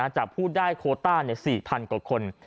จากผู้ได้โคต้า๔๐๐กว่าคน